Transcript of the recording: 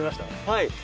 はい。